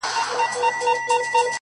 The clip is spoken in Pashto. • جدايي وخوړم لاليه، ستا خبر نه راځي،